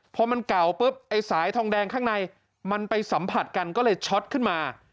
พอมันเก่าปุ๊บไอ้สายทองแดงข้างในมันไปสัมผัสกันก็เลยช็อตขึ้นมา